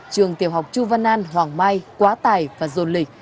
trường tiểu học chu văn an hoàng mai quá tài và dồn lịch